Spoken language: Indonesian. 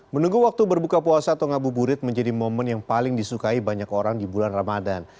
menunggu waktu berbuka puasa atau ngabuburit menjadi momen yang paling disukai banyak orang di bulan ramadan